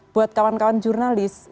buat kawan kawan jurnalist